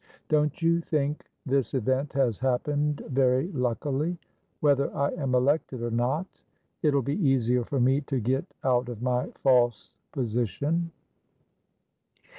Don't you think this event has happened very luckily? Whether I am elected or not, it'll be easier for me to get out of my false position."